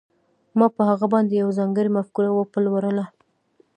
ما په هغه باندې یوه ځانګړې مفکوره وپلورله